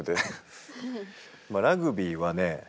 まあラグビーはね